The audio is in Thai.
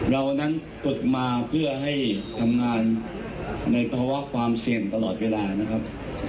เรานั้นฝึกมาเพื่อให้ทำงานในภาวะความเสี่ยงตลอดเวลานะครับ